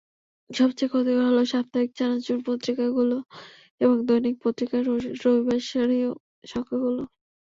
সবচেয়ে ক্ষতিকর হলো সাপ্তাহিক চানাচুর পত্রিকাগুলো এবং দৈনিক পত্রিকার রবিবাসরীয় সংখ্যাগুলো।